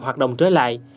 hoạt động trở lại